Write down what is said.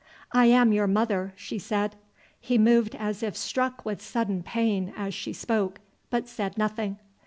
"I am your mother," she said. He moved as if struck with sudden pain as she spoke, but said nothing.